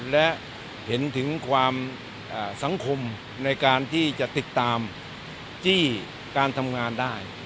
และเห็นถึงความสังคมในการที่จะติดตามจี้การทำงานได้